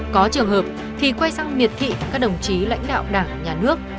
có trường hợp thì quay sang miệt thị các đồng chí lãnh đạo đảng nhà nước